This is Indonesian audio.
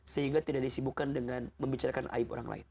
sehingga tidak disibukan dengan membicarakan aib orang lain